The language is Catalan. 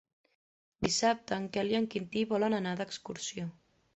Dissabte en Quel i en Quintí volen anar d'excursió.